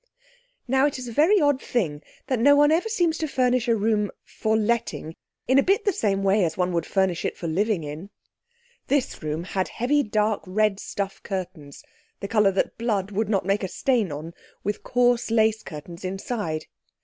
Now it is a very odd thing that no one ever seems to furnish a room "for letting" in a bit the same way as one would furnish it for living in. This room had heavy dark red stuff curtains—the colour that blood would not make a stain on—with coarse lace curtains inside.